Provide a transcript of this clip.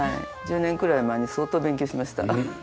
１０年くらい前に相当勉強しました。